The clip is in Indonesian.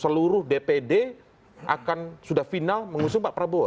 seluruh dpd akan sudah final mengusung pak prabowo